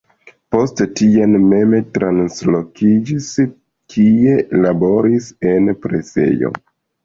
Poste tien mem translokiĝis, kie laboris en presejo.